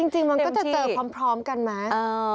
จริงมันก็จะเจอพร้อมกันไหม